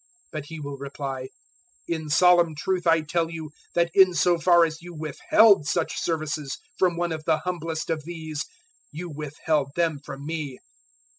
025:045 "But he will reply, "`In solemn truth I tell you that in so far as you withheld such services from one of the humblest of these, you withheld them from me.'